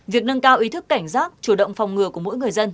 việc nâng cao ý thức cảnh giác chủ động phòng ngừa của mỗi người dân